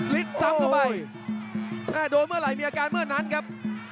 ซ้ำเข้าไปโดนเมื่อไหร่มีอาการเมื่อนั้นครับ